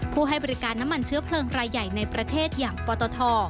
ให้บริการน้ำมันเชื้อเพลิงรายใหญ่ในประเทศอย่างปตท